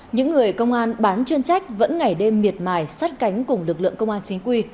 những người công an bán chuyên trách vẫn ngày đêm miệt mài sát cánh cùng lực lượng công an chính quy